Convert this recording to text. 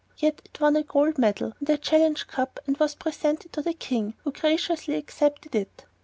Yet it won a Gold Medal and a Challenge Cup and was presented to the King, who graciously accepted it.